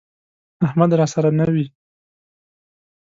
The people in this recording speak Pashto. احمد راسره نه وي،